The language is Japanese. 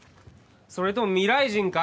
それとも未来人か？